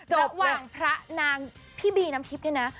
หลับหว่างพระนางพี่บีนัมทิ๊บเนี่ยนะ